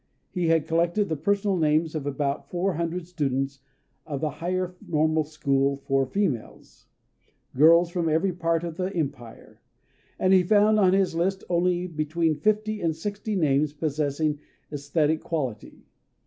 He had collected the personal names of about four hundred students of the Higher Normal School for Females, girls from every part of the Empire; and he found on his list only between fifty and sixty names possessing æsthetic quality.